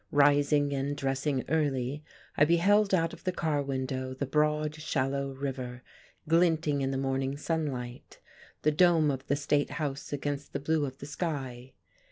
Rising and dressing early, I beheld out of the car window the broad, shallow river glinting in the morning sunlight, the dome of the state house against the blue of the sky.